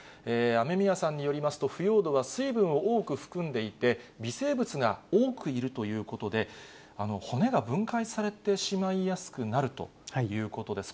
雨宮さんによりますと、腐葉土は水分を多く含んでいて、微生物が多くいるということで、骨が分解されてしまいやすくなるということです。